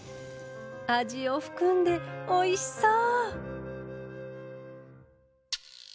味を含んでおいしそう！